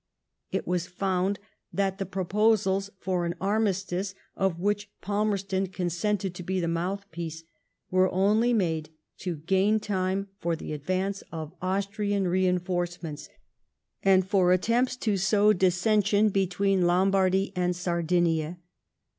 It was found that the proposals for an armistice, of which Palmerston consented to be the mouth piece, were only made to gain time for the ad> vance of Austrian reinforcements, and for attempts. U> sow dissension between Lombardy and Sardinia.